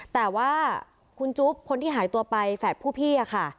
แต่ว่าคุณจุ๊บคนที่หายตัวไปแฝดผู้พี่ค่ะ